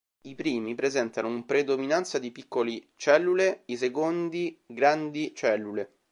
I primi presentano un predominanza di piccoli cellule, i secondi grandi cellule.